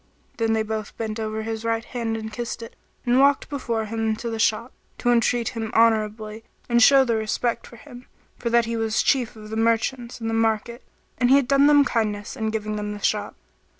Then they both bent over his right hand and kissed it and walked before him to the shop, to entreat him honourably and show their respect for him, for that he was Chief of the Merchants and the market, and he had done them kindness in giving them the shop.